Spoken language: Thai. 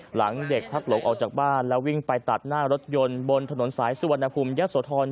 หลังเด็กพลัดหลงออกจากบ้านแล้ววิ่งไปตัดหน้ารถยนต์บนถนนสายสุวรรณภูมิยะโสธร